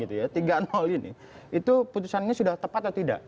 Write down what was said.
tiga nol ini itu putusannya sudah tepat atau tidak